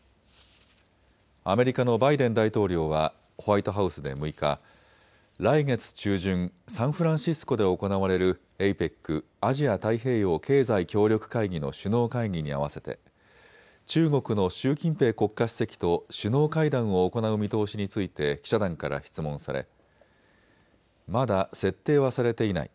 アメリカのバイデン大統領はホワイトハウスで６日、来月中旬、サンフランシスコで行われるＡＰＥＣ・アジア太平洋経済協力会議の首脳会議に合わせて中国の習近平国家主席と首脳会談を行う見通しについて記者団から質問されまだ設定はされていない。